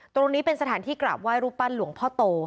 ตรงนี้เป็นสถานที่กราบไหว้รูปปั้นหลวงพ่อโต